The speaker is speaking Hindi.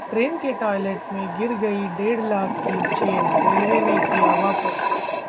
ट्रेन के टॉयलेट में गिर गई डेढ़ लाख की चेन, रेलवे ने किया वापस